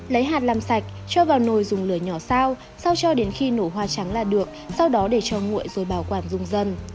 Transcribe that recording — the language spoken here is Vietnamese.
lấy hạt làm sạch cho vào nồi dùng lửa nhỏ sao sau cho đến khi nổ hoa trắng là được sau đó để cho nguội rồi bảo quản dùng dần